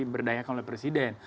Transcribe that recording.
jadi berdayakan oleh presiden